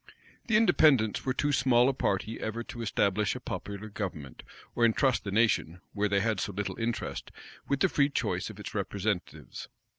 The Independents were too small a party ever to establish a popular government, or intrust the nation, where they had so little interest, with the free choice of its representatives.